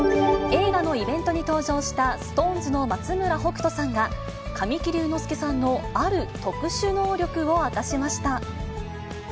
映画のイベントに登場した、ＳｉｘＴＯＮＥＳの松村北斗さんが、神木隆之介さんのある特殊能力を明かしました。